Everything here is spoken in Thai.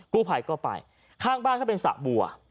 กู้ภัยก็ไปข้างบ้านเขาเป็นสระบัว